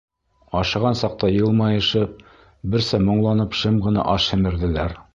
Ашаған саҡта йылмайышып, берсә моңланып шым ғына аш һемерҙеләр.